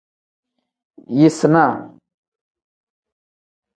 Yisinaa.